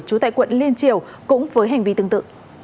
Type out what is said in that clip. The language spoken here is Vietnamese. trú tại quận liên triều cũng với hành vi tương tự